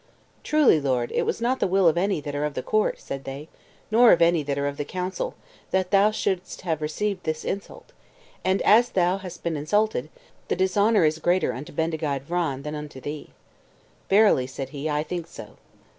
"Truly, lord, it was not the will of any that are of the court," said they, "nor of any that are of the council, that thou shouldst have received this insult; and as thou hast been insulted, the dishonor is greater unto Bendigeid Vran than unto thee." "Verily," said he, "I think so.